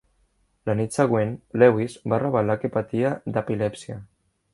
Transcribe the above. La nit següent, Lewis va revelar que patia d'epilèpsia.